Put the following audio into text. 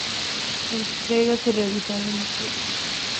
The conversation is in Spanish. La entrega se realizará en otoño.